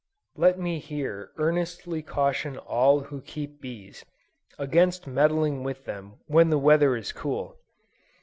Let me here earnestly caution all who keep bees, against meddling with them when the weather is cool.